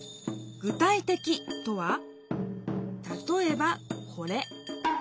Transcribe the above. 「具体的」とはたとえばこれ。